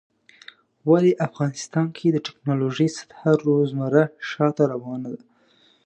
ولی افغانستان کې د ټيکنالوژۍ سطحه روزمره شاته روانه ده